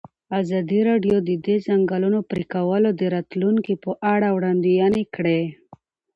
ازادي راډیو د د ځنګلونو پرېکول د راتلونکې په اړه وړاندوینې کړې.